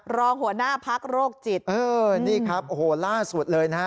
รองหัวหน้าพักโรคจิตเออนี่ครับโอ้โหล่าสุดเลยนะฮะ